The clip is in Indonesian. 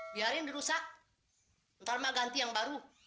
biarin dirusak ntar mah ganti yang baru